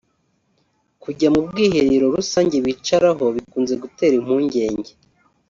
kujya mu bwiherero rusange bicaraho bikunze gutera impungenge